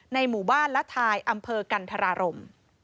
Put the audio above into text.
หมู่บ้านละทายอำเภอกันธรารม